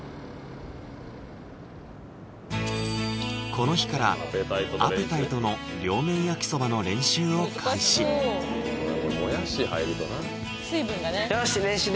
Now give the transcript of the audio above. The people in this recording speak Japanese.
この日からあぺたいとの両面焼きそばの練習を開始どうだ？